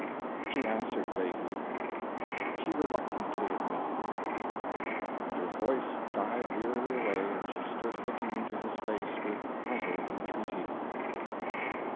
"... she answered, vaguely." "... she reluctantly admitted." "... but her voice died wearily away, and she stood looking into his face with puzzled entreaty."